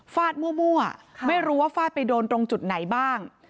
ฟาดมั่วไม่รู้ว่าฟาดไปโดนตรงจุดไหนบ้าง